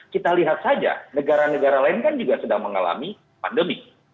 kita lihat saja negara negara lain kan juga sedang mengalami pandemi